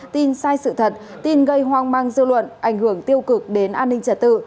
tin sai sự thật tin gây hoang mang dư luận ảnh hưởng tiêu cực đến an ninh trả tự